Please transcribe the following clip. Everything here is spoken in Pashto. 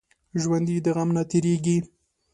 ژوندي د غم نه تېریږي